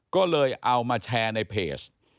ก็เลยเอามาแชร์ในเพจ